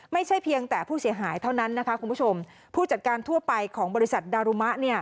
ไม่ใช่เพียงแต่ผู้เสียหายเท่านั้นนะคะผู้จัดการทั่วไปของบริษัทดารูมะ